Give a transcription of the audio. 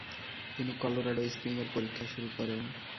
তিনি Colorado Spring এর পরীক্ষা শুরু করেন।